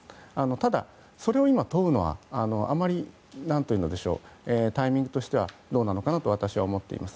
ただ、それを今問うのはあまりタイミングとしてはどうなのかなと私は思っています。